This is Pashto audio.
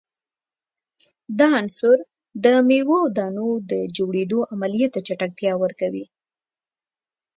دا عنصر د میو او دانو د جوړیدو عملیې ته چټکتیا ورکوي.